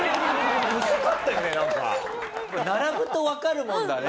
並ぶとわかるもんだね。